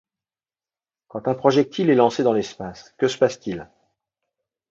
Quand un projectile est lancé dans l’espace, que se passe-t-il?